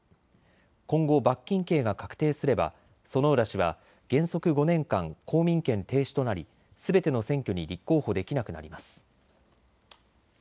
今後、罰金刑が確定すれば薗浦氏は原則５年間、公民権停止となりすべての選挙に立候補できなくなります。